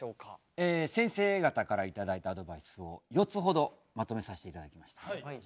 先生方から頂いたアドバイスを４つほどまとめさせて頂きました。